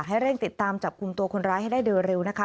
ให้เร่งติดตามจับกลุ่มตัวคนร้ายให้ได้โดยเร็วนะคะ